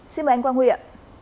xin mời anh quang huy ạ